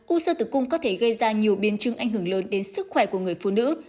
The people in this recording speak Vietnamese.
u sơ tử cung có thể gây ra nhiều biến chứng ảnh hưởng lớn đến sức khỏe của người phụ nữ